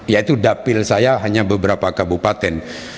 yaitu dapil saya hanya beberapa kabupaten